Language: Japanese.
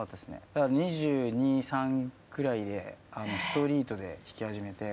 だから２２２３くらいでストリートで弾き始めて。